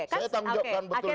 saya tanggung jawab kan betul itu